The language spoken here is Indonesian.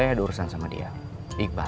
saya ada urusan sama dia iqbal